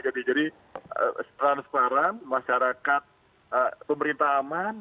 jadi transparan masyarakat pemerintah aman